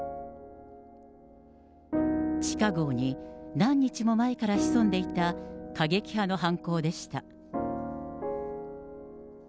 地下ごうに何日も前から潜んでいた過激派の犯行でした。